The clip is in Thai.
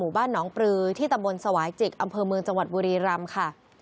บ้านหนองปลือที่ตำบลสวายจิกอำเภอเมืองจังหวัดบุรีรำค่ะ